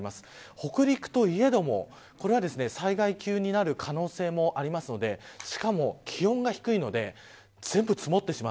北陸といえどもこれは災害級になる可能性もありますのでしかも気温が低いので全部積もってしまう。